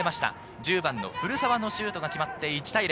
１０番・古澤のシュートが決まって１対０。